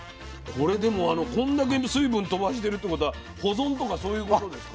これでもこんだけ水分飛ばしてるってことは保存とかそういうことですか？